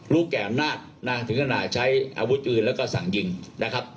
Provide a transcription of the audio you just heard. แก่อำนาจนะถึงขนาดใช้อาวุธปืนแล้วก็สั่งยิงนะครับ